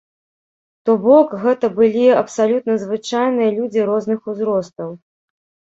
То бок гэта былі абсалютна звычайныя людзі розных узростаў.